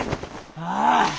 ああ！